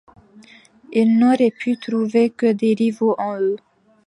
Il n’aurait pu trouver que des rivaux en eux.